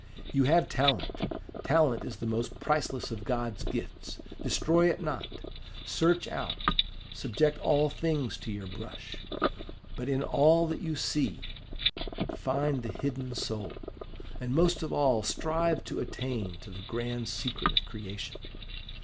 You have talent: talent is the most priceless of God's gifts destroy it not. Search out, subject all things to your brush; but in all see that you find the hidden soul, and most of all, strive to attain to the grand secret of creation.